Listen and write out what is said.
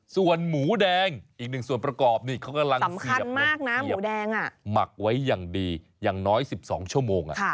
ส่วนหมูแดงอีกหนึ่งส่วนประกอบนี่เขากำลังเสียบมากนะหมูแดงหมักไว้อย่างดีอย่างน้อย๑๒ชั่วโมง